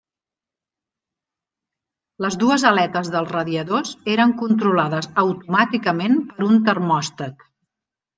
Les dues aletes dels radiadors eren controlades automàticament per un termòstat.